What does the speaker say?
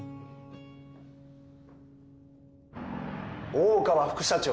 大川副社長